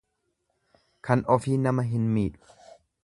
Kan ofii nama hin miidhu.